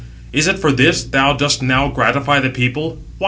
Is it for this thou dost now gratify the people?